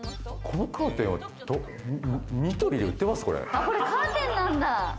このカーテンはニトリで売ってます？